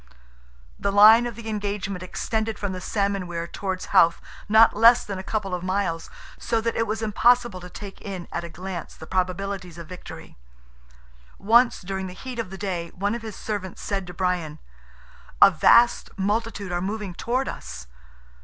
The line of the engagement extended from the salmon weir towards Howth, not less than a couple of miles, so that it was impossible to take in at a glance the probabilities of victory. Once during the heat of the day one of his servants said to Brian, "A vast multitude are moving towards us."